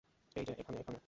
এই যে, এখানে, এখানে।